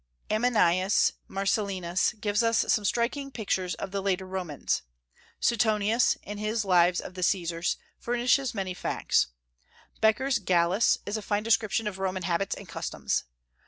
Ammianus Marcellinus gives us some striking pictures of the later Romans. Suetonius, in his lives of the Caesars, furnishes many facts. Becker's Gallus is a fine description of Roman habits and customs.